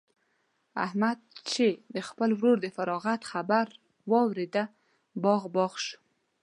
احمد چې د خپل ورور د فراغت خبر واورېد؛ باغ باغ شو.